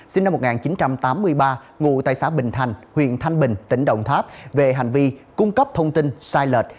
sinh năm một nghìn chín trăm tám mươi ba ngụ tại xã bình thành huyện thanh bình tỉnh đồng tháp về hành vi cung cấp thông tin sai lệch